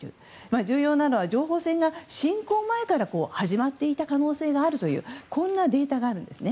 重要なのは情報戦が侵攻前から始まっていた可能性があるというこんなデータがあるんですね。